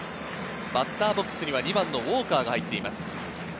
バッターボックスには２番のウォーカーが入ってます。